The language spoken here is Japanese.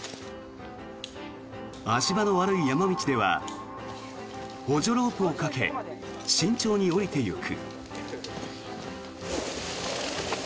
足場の悪い山道では補助ロープをかけ慎重に下りていく。